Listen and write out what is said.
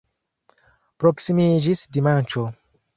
Proksimiĝis dimanĉo.